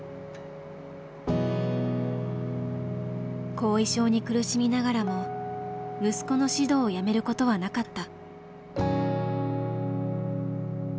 後遺症に苦しみながらも息子の指導をやめることはなかった。